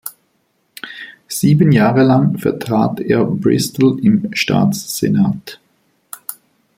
Sieben Jahre lang vertrat er Bristol im Staatssenat.